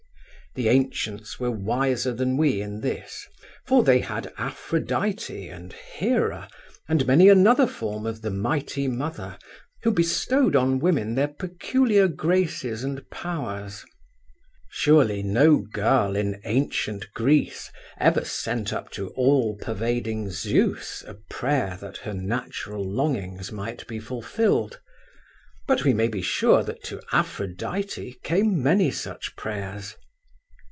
The ancients were wiser than we in this, for they had Aphrodite and Hera and many another form of the Mighty Mother who bestowed on women their peculiar graces and powers. Surely no girl in ancient Greece ever sent up to all pervading Zeus a prayer that her natural longings might be fulfilled; but we may be sure that to Aphrodite came many such prayers.